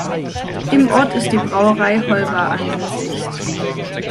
Im Ort ist die Brauerei Holba ansässig.